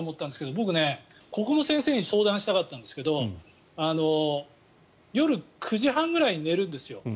僕、ここも先生に相談したかったんですが夜９時半ぐらいに寝るんですよ。